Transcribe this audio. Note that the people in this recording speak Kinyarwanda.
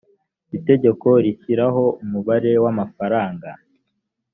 itegeko rishyiraho umubare w amafaranga